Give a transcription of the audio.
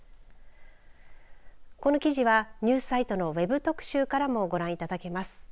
この記事はニュースサイトのＷＥＢ特集からもご覧いただけます。